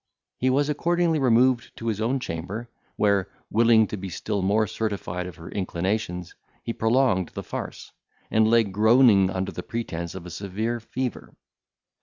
He was accordingly removed to his own chamber, where, willing to be still more certified of her inclinations, he prolonged the farce, and lay groaning under the pretence of a severe fever.